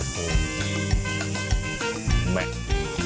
แม็คแม็ค